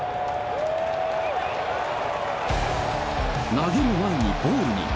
投げる前にボールに。